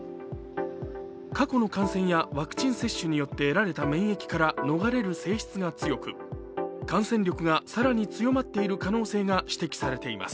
過去の感染やワクチン接種によって得られた免疫から逃れる性質が強く感染力が更に強まっている可能性が指摘されています。